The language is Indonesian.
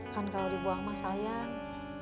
kan kalau dibuang mah sayang